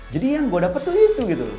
jadi yang gue dapet tuh itu